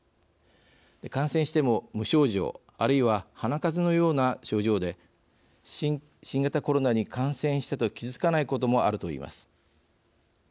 感染しても無症状あるいは鼻かぜのような症状で新型コロナに感染したと気付かないこともあるといいます。